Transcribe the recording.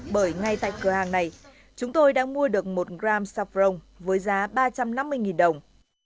bởi ngay tại cửa hàng này chúng tôi đang mua được một gram saprong với giá ba trăm năm mươi đồng